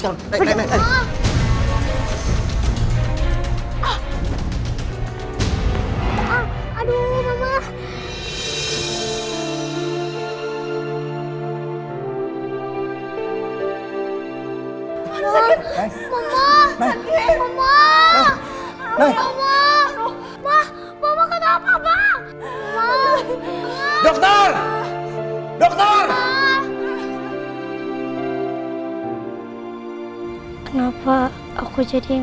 aku udah bilang